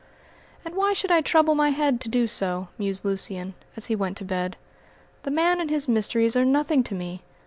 "And why should I trouble my head to do so?" mused Lucian as he went to bed. "The man and his mysteries are nothing to me.